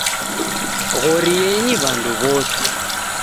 Ghorienyi w'andu w;ose